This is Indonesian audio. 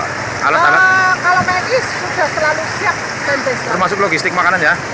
misalnya mudah mudahan sudah